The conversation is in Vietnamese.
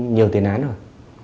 nhiều tiền án rồi